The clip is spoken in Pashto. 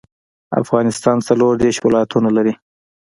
افغانستان څلور ديرش ولايتونه لري